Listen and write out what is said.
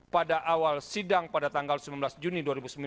pada awal sidang pada tanggal sembilan belas juni dua ribu sembilan belas